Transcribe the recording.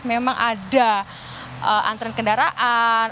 memang ada antrian kendaraan